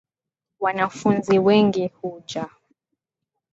Wanafunzi wengi huja